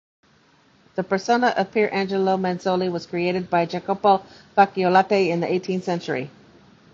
The persona of Pier Angelo Manzolli was created by Jacopo Facciolati in the eighteenth-century.